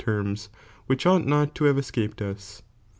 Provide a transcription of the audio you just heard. terms, which ought not to have escaped ua.